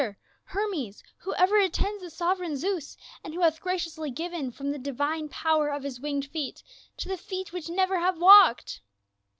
sengcr, Hermes, who ever attends the sovereign Zeus, and who hath graciously given from the divine power of his winged feet to the feet which never have walked."